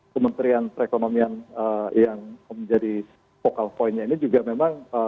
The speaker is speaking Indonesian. kementerian perekonomian yang menjadi focal point nya ini juga memang